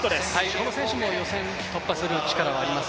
この選手も予選突破する力があります